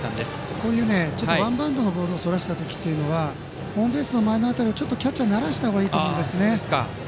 こういうワンバウンドのボールをそらした時はホームベースの周りをちょっと、キャッチャーならした方がいいと思うんですね。